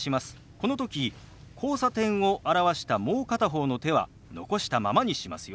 この時「交差点」を表したもう片方の手は残したままにしますよ。